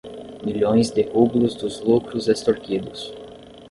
milhões de rublos dos lucros extorquidos